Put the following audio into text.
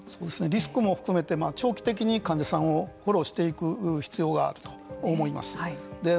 リスクも含めて長期的に患者さんをフォローしていく必要があると思います。